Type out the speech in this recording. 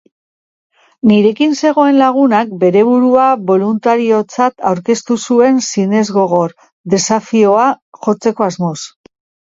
Nirekin zegoen lagunak bere burua boluntariotzat aurkeztu zuen sinesgogor, desafioa jotzeko asmoz.